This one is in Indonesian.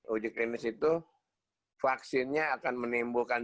uji klinis itu vaksinnya akan menimbulkan